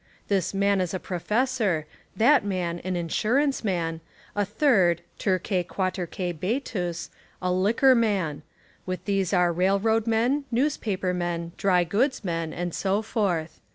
This man Is a professor, that man an "Insurance man," a third — terqiie qiiaterque beatus — a "liquor man"; with these are "railroad men," "newspaper men," "dry goods men," and so forth.